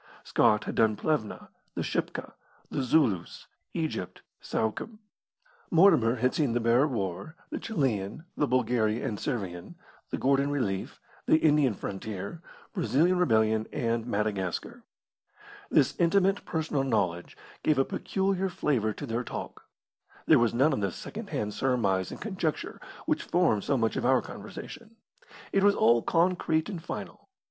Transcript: Scott had done Plevna, the Shipka, the Zulus, Egypt, Suakim; Mortimer had seen the Boer War, the Chilian, the Bulgaria and Servian, the Gordon relief, the Indian frontier, Brazilian rebellion, and Madagascar. This intimate personal knowledge gave a peculiar flavour to their talk. There was none of the second hand surmise and conjecture which form so much of our conversation; it was all concrete and final.